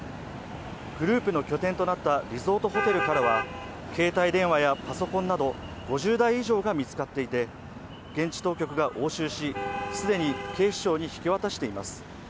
グループの拠点となったリゾートホテルからは携帯電話やパソコンなど５０台以上が見つかっていて、現地当局が押収し、既に警視庁に引き渡しています。